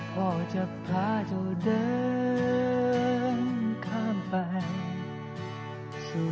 พ่อจะพาเจ้าเดินข้ามไปสู่กลายทางที่ดี